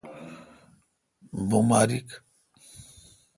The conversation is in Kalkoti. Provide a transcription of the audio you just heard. بماریک۔